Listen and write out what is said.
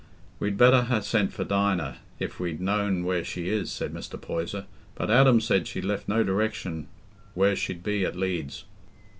"We'd better ha' sent for Dinah, if we'd known where she is," said Mr. Poyser; "but Adam said she'd left no direction where she'd be at Leeds."